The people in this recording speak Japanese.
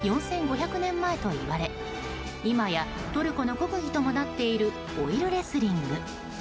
起源はおよそ４５００年前といわれ今やトルコの国技ともなっているオイルレスリング。